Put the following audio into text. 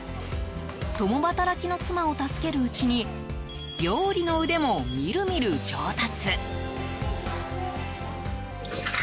共働きの妻を助けるうちに料理の腕も、みるみる上達。